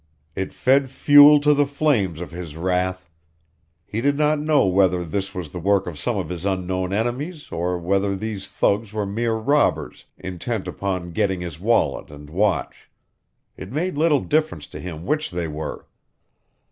It fed fuel to the flames of his wrath. He did not know whether this was the work of some of his unknown enemies or whether these thugs were mere robbers intent upon getting his wallet and watch. It made little difference to him which they were.